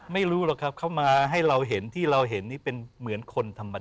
ไม่รู้หรอกครับเขามาให้เราเห็นที่เราเห็นนี่เป็นเหมือนคนธรรมดา